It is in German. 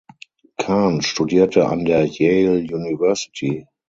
Kan studierte an der Yale University.